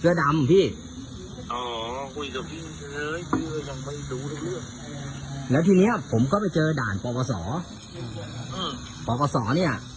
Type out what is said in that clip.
อยู่แล้วพี่ไม่ม่วงแล้วพอประสอบเนี้ย